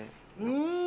うん。